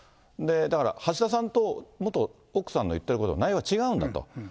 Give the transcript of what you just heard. だから、橋田さんと元奥さんの言ってる内容が違うんだと。